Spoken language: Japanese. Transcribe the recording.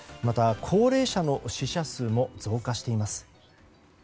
また、高齢者の死者数も増加しています。